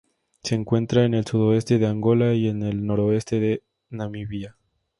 Se encuentra en el sudoeste de Angola y el noroeste de Namibia.